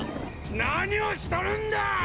何をしとるんだぁぁぁ！！